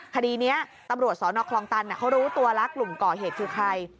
คดีนี้ตำรวจสนคลองตันเขารู้ตัวแล้วกลุ่มก่อเหตุคือใคร